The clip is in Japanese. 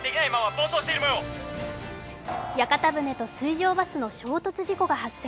屋形船と水上バスの衝突事故が発生。